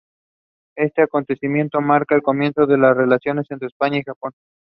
He started with the banjo and added the clarinet and saxophone to his repertoire.